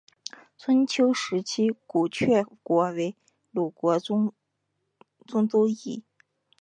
春秋时期古厥国为鲁国中都邑。